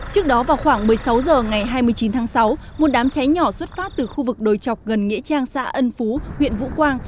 trước đó vào khoảng một mươi sáu h ngày hai mươi chín tháng sáu một đám cháy nhỏ xuất phát từ khu vực đồi chọc gần nghĩa trang xã ân phú huyện vũ quang